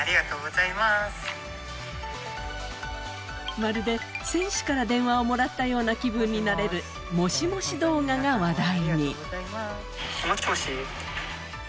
まるで選手から電話をもらったような気分になれるもしもし動画が話題に。